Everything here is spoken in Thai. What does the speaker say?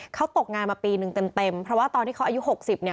เขาตกงานมาปีนึงเต็มเต็มเพราะว่าตอนที่เขาอายุ๖๐เนี่ย